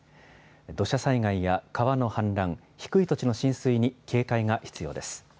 土砂災害や川の氾濫、低い土地の浸水に警戒が必要です。